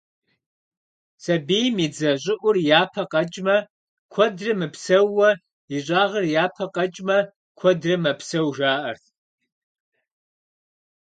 Сабийм и дзэ щӏыӏур япэ къэкӏмэ, куэдрэ мыпсэууэ, ищӏагъыр япэ къэкӏмэ, куэдрэ мэпсэу, жаӏэрт.